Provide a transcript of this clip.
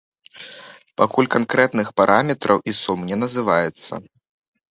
Пакуль канкрэтных параметраў і сум не называецца.